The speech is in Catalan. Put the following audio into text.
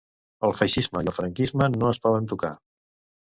El feixisme i el franquisme no es poden tocar.